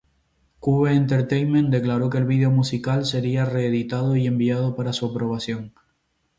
Cube Entertainment declaró que el vídeo musical sería reeditado y enviado para su aprobación.